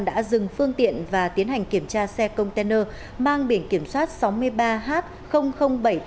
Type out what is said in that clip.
đã dừng phương tiện và tiến hành kiểm tra xe container mang biển kiểm soát sáu mươi ba h bảy trăm tám mươi tám